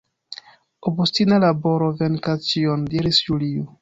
Obstina laboro venkas ĉion, diris Julio.